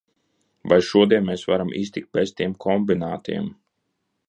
Vai šodien mēs varam iztikt bez tiem kombinātiem?